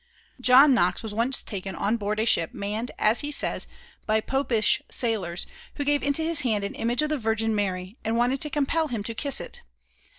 John Knox was once taken on board a ship manned, as he says, by Popish sailors, who gave into his hand an image of the Virgin Mary and wanted to compel him to kiss it.